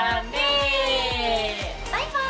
バイバイ。